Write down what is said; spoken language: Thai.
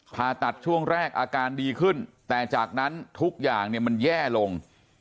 ผ่าตัดช่วงแรกอาการดีขึ้นแต่จากนั้นทุกอย่างเนี่ยมันแย่ลง